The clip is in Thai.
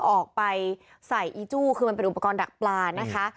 ออกไปใส่อีจู้คือมันเป็นอุปกรณ์ดักปลานะคะ